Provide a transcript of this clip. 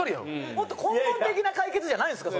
もっと根本的な解決じゃないんですか？